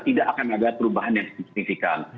tidak akan ada perubahan yang signifikan